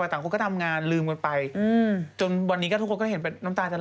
ต่างคนก็ทำงานลืมกันไปจนวันนี้ก็ทุกคนก็เห็นเป็นน้ำตาจะละ